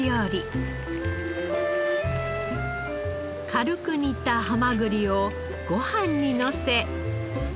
軽く煮たハマグリをご飯にのせ。